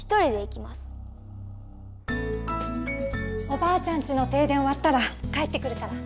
おばあちゃんちの停電おわったら帰ってくるから。